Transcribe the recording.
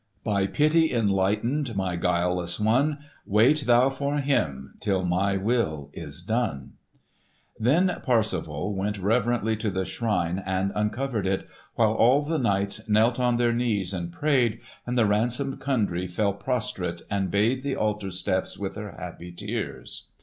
"'By pity enlightened, My guileless one,— Wait thou for him Till my will is done!'" Then Parsifal went reverently to the shrine and uncovered it, while all the knights fell on their knees and prayed, and the ransomed Kundry fell prostrate and bathed the altar steps with her happy tears.